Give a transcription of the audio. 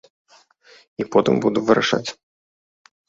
І потым буду вырашаць.